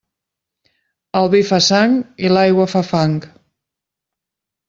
El vi fa sang i l'aigua fa fang.